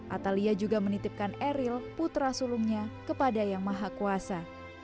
atalia juga menitipkan eril putra sulungnya kepada yang maha kuasa